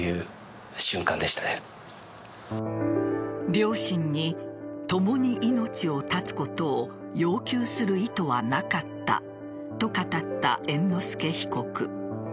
両親に共に命を絶つことを要求する意図はなかったと語った猿之助被告。